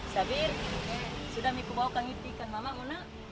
sabir sudah miku bawa kangen ikan mamakmu nak